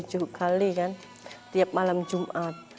tujuh kali kan tiap malam jumat